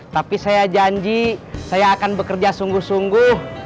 tapi saya janji saya akan bekerja sungguh sungguh